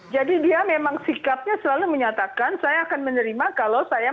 jadi dia memang sikapnya selalu menyatakan saya akan menerima kalau saya menang